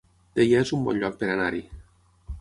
Teià es un bon lloc per anar-hi